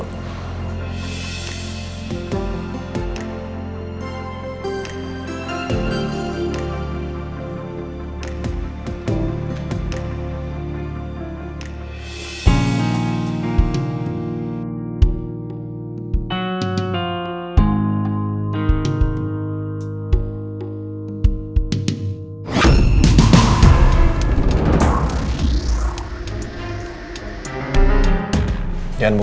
nanti aku cemburu